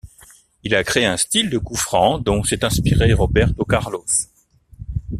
Il a créé un style de coup franc dont s'est inspiré Roberto Carlos.